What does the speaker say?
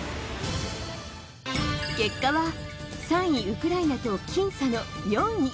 結果は３位ウクライナと僅差の４位。